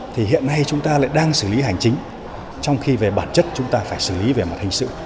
thì hiện nay chúng ta lại đang xử lý hành chính trong khi về bản chất chúng ta phải xử lý về mặt hình sự